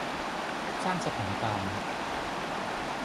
สร้างสถานการณ์